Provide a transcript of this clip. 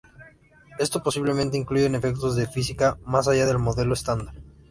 Esto posiblemente incluye efectos de física más allá del modelo estándar.